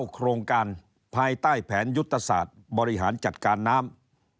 โครงการภายใต้แผนยุทธศาสตร์บริหารจัดการน้ำ